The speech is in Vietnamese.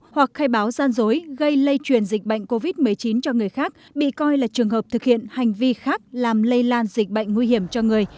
hoặc khai báo gian dối gây lây truyền dịch bệnh covid một mươi chín cho người khác bị coi là trường hợp thực hiện hành vi khác làm lây lan dịch bệnh nguy hiểm cho người